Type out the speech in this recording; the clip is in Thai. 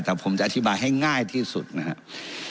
แต่ผมจะอธิบายให้ง่ายที่สุดนะครับ